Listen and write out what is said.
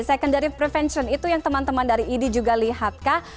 secondary prevention itu yang teman teman dari idi juga lihat kah